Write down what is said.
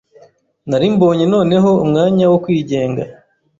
nari mbonye noneho umwanya wo kwigenga